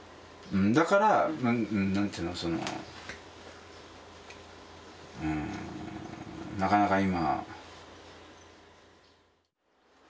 だから何ていうのそのうんなかなか今。